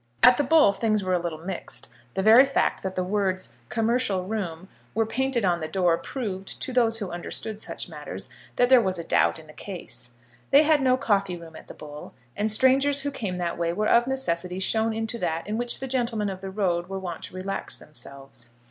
At the Bull things were a little mixed. The very fact that the words "Commercial Room" were painted on the door proved to those who understood such matters that there was a doubt in the case. They had no coffee room at the Bull, and strangers who came that way were of necessity shown into that in which the gentlemen of the road were wont to relax themselves.